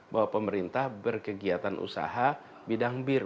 bahwa pemerintah berkegiatan usaha bidang bir